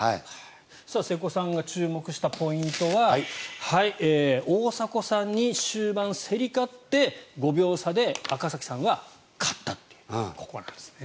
瀬古さんが注目したポイントは大迫さんに終盤、競り勝って５秒差で赤崎さんは勝ったというここなんですね。